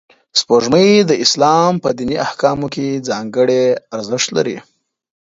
سپوږمۍ د اسلام په دیني احکامو کې ځانګړی ارزښت لري